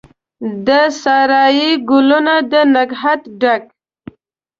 د سارایي ګلونو د نګهت ډک،